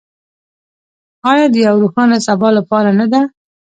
آیا د یو روښانه سبا لپاره نه ده؟